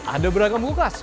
ada beragam bukas